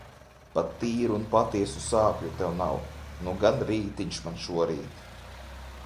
Pat tīru un patiesu sāpju tev nav. Nu gan rītiņš man šorīt.